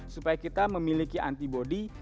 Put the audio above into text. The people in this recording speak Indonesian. supaya kita memiliki antibody